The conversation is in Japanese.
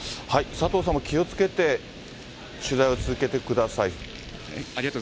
佐藤さんも気をつけて取材を続けてください。